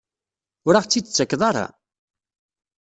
Ur aɣ-tt-id-tettakeḍ ara?